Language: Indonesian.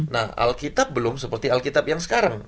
nah alkitab belum seperti alkitab yang sekarang